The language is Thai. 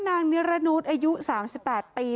นางนิรนุษย์อายุ๓๘ปี